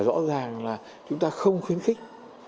rõ ràng là chúng ta không khuyến khích